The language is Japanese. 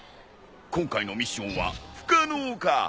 今回のミッションは不可能か。